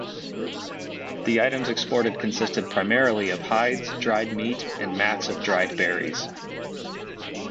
The items exported consisted primarily of hides, dried meat, and mats of dried berries.